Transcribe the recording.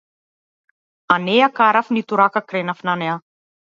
А не ја карав ниту рака кренав на неа.